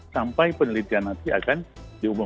sampai penelitian nanti akan diumumkan